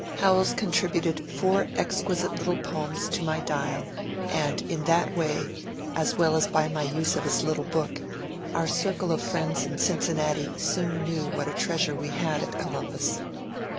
Howells contributed four exquisite little poems to my ^^ Dial," and in that way, as well as by my use of his little 310 MONCURE DANIEL CONWAY book, our oirole of friends in Cincinnati soon knew what a treasure we had at Colombos.